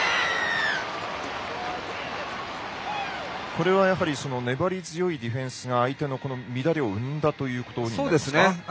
これは、やはり粘り強いディフェンスが相手の乱れを生んだということになりますか？